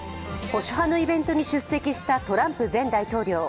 保守派のイベントに出席したトランプ前大統領。